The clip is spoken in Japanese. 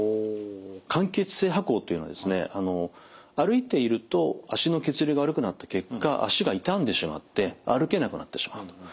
間欠性跛行というのはですね歩いていると足の血流が悪くなった結果足が痛んでしまって歩けなくなってしまうと。